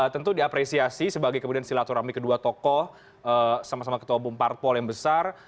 tentu diapresiasi sebagai kemudian silaturahmi kedua tokoh sama sama ketua bumparpol yang besar